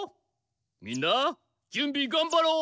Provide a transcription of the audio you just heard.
みんなじゅんびがんばろう。